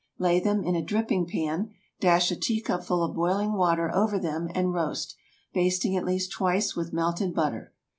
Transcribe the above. Lay them in a dripping pan; dash a teacupful of boiling water over them, and roast, basting at least twice with melted butter.